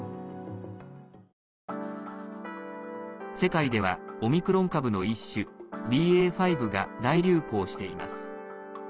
世界ではオミクロン株の一種ＢＡ．５が大流行しています。